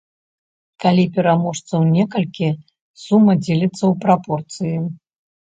Калі пераможцаў некалькі, сума дзеліцца ў прапорцыі.